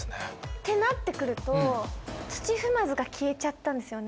ってなって来ると土踏まずが消えちゃったんですよね。